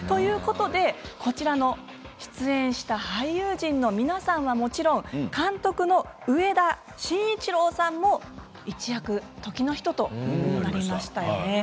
こちらの出演した俳優陣の皆さんはもちろん監督の上田慎一郎さんも一躍、時の人になりましたよね。